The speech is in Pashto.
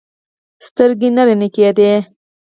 سترګې نه رڼې کېدې.